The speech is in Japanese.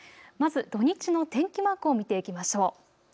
まず土日の天気マークを見ていきましょう。